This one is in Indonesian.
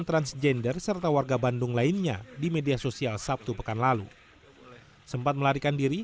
transgender serta warga bandung lainnya di media sosial sabtu pekan lalu sempat melarikan diri